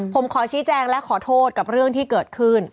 ผมขอชี้แจงและขอโทษกับเรื่องที่เกิดขึ้น